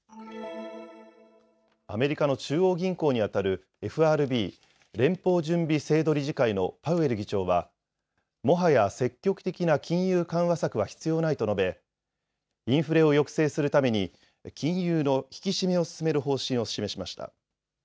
アメリカの中央銀行にあたるＦＲＢ・連邦準備制度理事会のパウエル議長はもはや積極的な金融緩和策は必要ないと述べインフレを抑制するために金融の引き締めを進める方針を示しました。